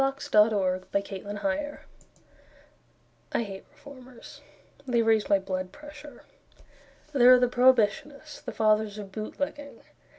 ] DOROTHY PARKER I hate Reformers; They raise my blood pressure. There are the Prohibitionists; The Fathers of Bootlegging.